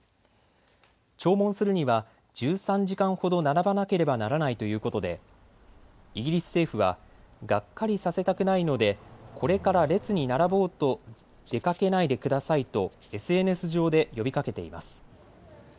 弔問するには１３時間ほど並ばなければならないということで、イギリス政府はがっかりさせたくないのでこれから列に並ぼうと出かけないでくださいとＳＮＳ上で呼びかけています。